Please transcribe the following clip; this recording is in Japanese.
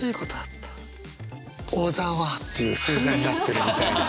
「小沢」っていう星座になってるみたいな。